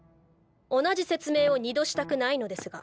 同じ説明を２度したくないのですが。